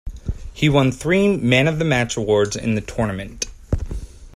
He won three Man-of-the-Match awards in the tournament.